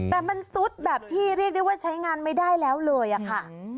แต่มันซุดแบบที่เรียกได้ว่าใช้งานไม่ได้แล้วเลยอะค่ะ